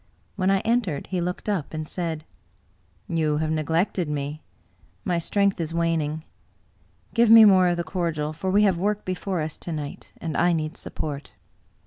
When I entered, he looked up, and said :" You have neglected me. My strength is waning. Give me more of the cordial, for we have work before us to night, and I need support."